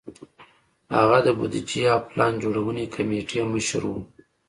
هغه د بودیجې او پلان جوړونې کمېټې مشر و.